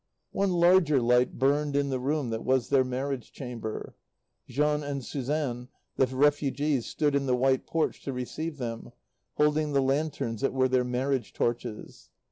One larger light burned in the room that was their marriage chamber. Jean and Suzanne, the refugees, stood in the white porch to receive them, holding the lanterns that were their marriage torches.